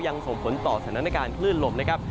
ส่งผลต่อสถานการณ์คลื่นลมนะครับ